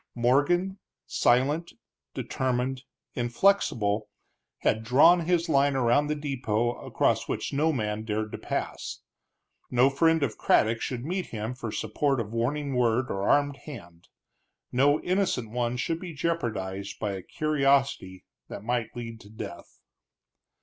Morgan, silent, determined, inflexible, had drawn his line around the depot, across which no man dared to pass. No friend of Craddock should meet him for support of warning word or armed hand; no innocent one should be jeopardized by a curiosity that might lead to death.